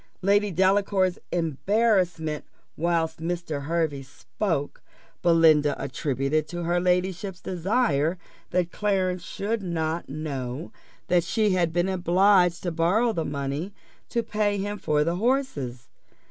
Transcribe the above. Lady Delacour's embarrassment whilst Mr. Hervey spoke, Belinda attributed to her ladyship's desire that Clarence should not know that she had been obliged to borrow the money to pay him for the horses.